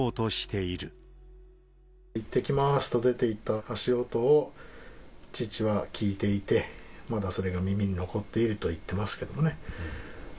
いってきますと出ていった足音を父は聞いていて、まだそれが耳に残っていると言ってますけどね。